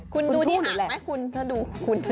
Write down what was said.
คุณดูที่หาไหมคุณ